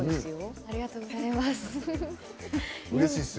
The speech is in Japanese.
ありがとうございます。